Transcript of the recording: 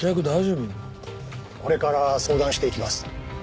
これから相談していきます。